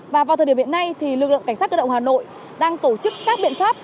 và vào thời điểm hiện nay thì lực lượng cảnh sát cơ động hà nội đang tổ chức các biện pháp